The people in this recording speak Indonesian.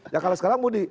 ya kalau sekarang mau di